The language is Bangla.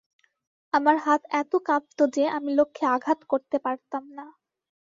আমার হাত এত কাঁপতো যে, আমি লক্ষ্যে আঘাত করতে পারতাম না।